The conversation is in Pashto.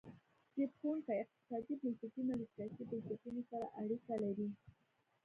زبېښونکي اقتصادي بنسټونه له سیاسي بنسټونه سره اړیکه لري.